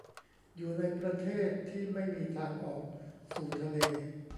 อยู่ในประเทศที่ไม่มีทางออกสู่ทะเล